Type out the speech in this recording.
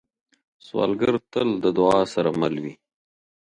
سوالګر تل د دعا سره مل وي